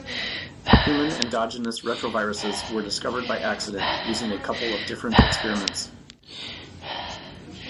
Human endogenous retroviruses were discovered by accident using a couple of different experiments.